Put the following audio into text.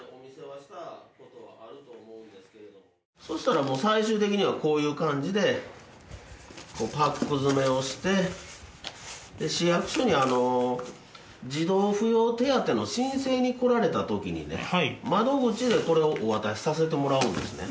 そしたらもう最終的にはこういう感じでパック詰めをして市役所に児童扶養手当の申請に来られた時にね窓口でこれをお渡しさせてもらうんですね。